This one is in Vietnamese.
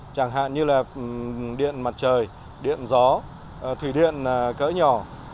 chẳng hạn như là điện mặt trời điện gió thủy điện cỡ nhỏ